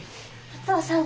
お義父さん